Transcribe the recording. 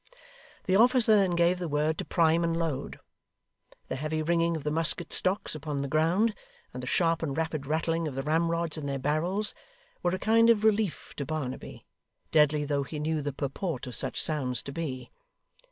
The officer then gave the word to prime and load. The heavy ringing of the musket stocks upon the ground, and the sharp and rapid rattling of the ramrods in their barrels, were a kind of relief to Barnaby, deadly though he knew the purport of such sounds to be.